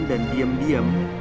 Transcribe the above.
gue lebih leluasa deket sama wulan